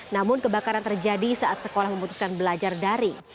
namun kebakaran terjadi saat sekolah memutuskan belajar dari